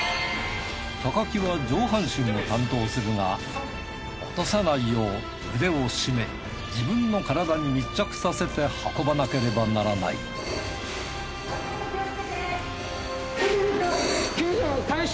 木は上半身を担当するが落とさないよう腕をしめ自分の体に密着させて運ばなければならない救助開始！